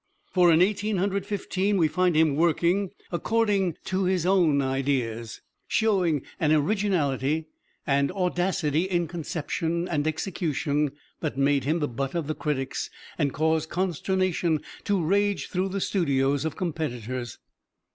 For, in Eighteen Hundred Fifteen, we find him working according to his own ideas, showing an originality and audacity in conception and execution that made him the butt of the critics, and caused consternation to rage through the studios of competitors.